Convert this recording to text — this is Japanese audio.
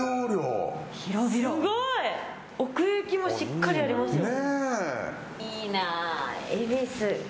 すごい！奥行きもしっかりありますよ。